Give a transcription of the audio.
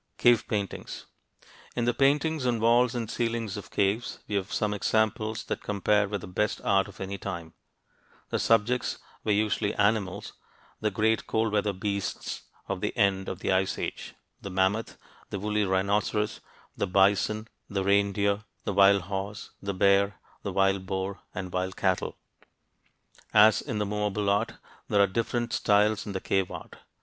CAVE PAINTINGS In the paintings on walls and ceilings of caves we have some examples that compare with the best art of any time. The subjects were usually animals, the great cold weather beasts of the end of the Ice Age: the mammoth, the wooly rhinoceros, the bison, the reindeer, the wild horse, the bear, the wild boar, and wild cattle. As in the movable art, there are different styles in the cave art.